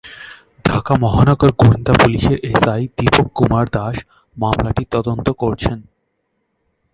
ঢাকা মহানগর গোয়েন্দা পুলিশের এসআই দীপক কুমার দাস মামলাটি তদন্ত করছেন।